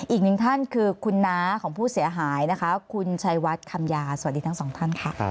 อีกหนึ่งท่านคือคุณน้าของผู้เสียหายนะคะคุณชัยวัดคำยาสวัสดีทั้งสองท่านค่ะ